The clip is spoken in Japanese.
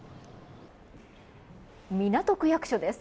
港区役所です。